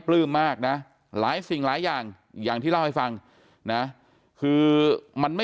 ปลื้มมากนะหลายสิ่งหลายอย่างอย่างที่เล่าให้ฟังนะคือมันไม่